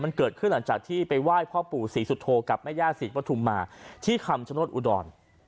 มันเกิดขึ้นหลังจากที่ไปไหว้พ่อปู่ศรีสุโธกับแม่ย่าศรีปฐุมมาที่คำชโนธอุดร